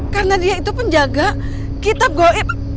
karena dia itu penjaga kitab goib